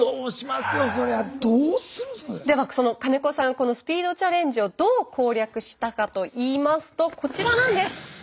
このスピードチャレンジをどう攻略したかといいますとこちらなんです。